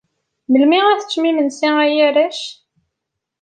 Melmi ara teččem imensi, ay arrac?